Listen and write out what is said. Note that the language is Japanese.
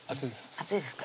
熱いですか